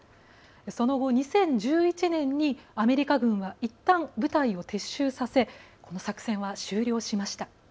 その後、２０１１年にアメリカ軍はいったん、部隊を撤収させこの作戦は終了しました。